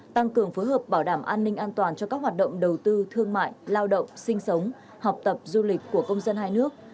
tăng cường phối hợp bảo đảm an ninh an toàn cho các hoạt động đầu tư thương mại lao động sinh sống học tập du lịch của công dân hai nước